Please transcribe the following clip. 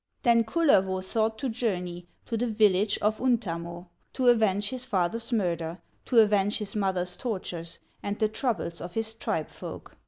Then Kullervo thought to journey To the village of Untamo, To avenge his father's murder, To avenge his mother's tortures, And the troubles of his tribe folk.